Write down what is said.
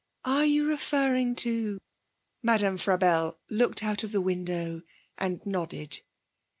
'Are you referring to ?' Madame Frabelle looked out of the window and nodded.